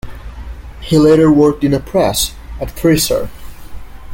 He later worked in a press at Thrissur.